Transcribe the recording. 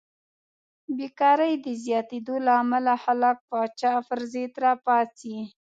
بېکارۍ د زیاتېدو له امله خلک پاچا پرضد راپاڅي.